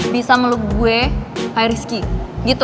bisa meluk gue high rizky gitu